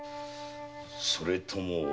それとも。